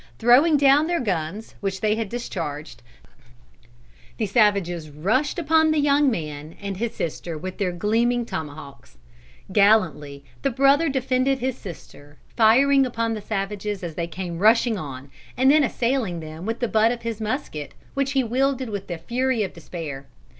Throwing down their guns which they had discharged, the savages rushed upon the young man and his sister with their gleaming tomahawks. Gallantly the brother defended his sister; firing upon the savages as they came rushing on, and then assailing them with the butt of his musket which he wielded with the fury of despair.